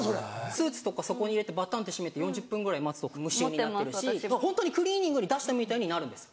スーツとかそこに入れてバタンって閉めて４０分ぐらい待つと無臭になってるしホントにクリーニングに出したみたいになるんです。